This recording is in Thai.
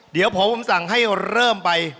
เดี๋ยวพอผมสั่งให้เริ่มไป